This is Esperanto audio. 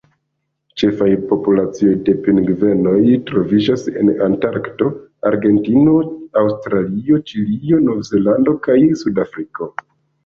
Ĉefaj populacioj de pingvenoj troviĝas en Antarkto, Argentino, Aŭstralio, Ĉilio, Novzelando, kaj Sudafriko.